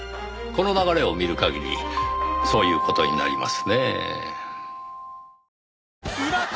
この流れを見る限りそういう事になりますねぇ。